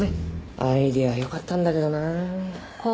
アイデアはよかったんだけどなあ。